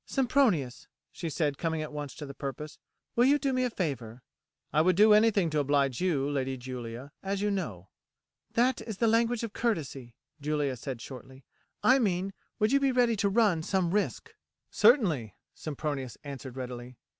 "Sempronius," she said coming at once to the purpose, "will you do me a favour?" "I would do anything to oblige you, Lady Julia, as you know." "That is the language of courtesy," Julia said shortly; "I mean would you be ready to run some risk?" "Certainly," Sempronius answered readily.